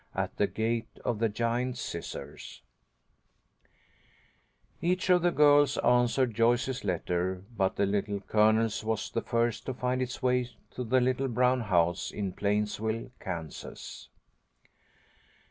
AT THE GATE OF THE GIANT SCISSORS Each of the girls answered Joyce's letter, but the Little Colonel's was the first to find its way to the little brown house in Plainsville, Kansas.